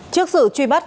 trước sự truy bắt